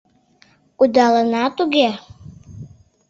— Кудалына туге...